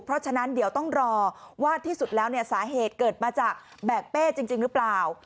เพราะฉะนั้นเดี๋ยวต้องรอว่าที่สุดแล้วเนี่ยสาเหตุเกิดมาจากแบกเป้จริงหรือเปล่า